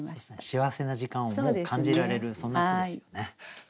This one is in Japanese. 幸せな時間をも感じられるそんな句ですよね。